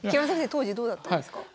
当時どうだったんですか？